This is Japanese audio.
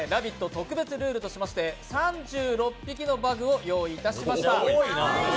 特別ルールとしまして、３６匹のパグを用意しました。